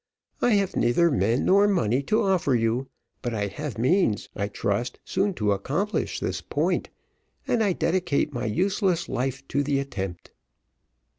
I have neither men nor money to offer to you, but I have means, I trust, soon to accomplish this point, and I dedicate my useless life to the attempt."